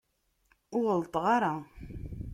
Ur ɣelṭeɣ ara.